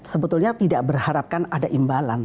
sebetulnya tidak berharapkan ada imbalan